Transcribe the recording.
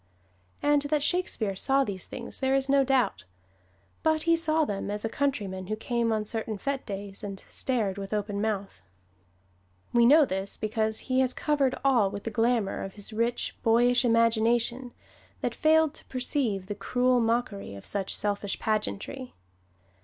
And that Shakespeare saw these things there is no doubt. But he saw them as a countryman who came on certain fete days, and stared with open mouth. We know this, because he has covered all with the glamour of his rich, boyish imagination that failed to perceive the cruel mockery of such selfish pageantry.